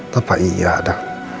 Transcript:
tepat iya ada